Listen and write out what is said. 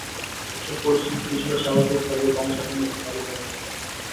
দেশের পরিস্থিতি কিছুটা স্বাভাবিক হলেই কনসার্টের নতুন তারিখ জানিয়ে দেওয়া হবে।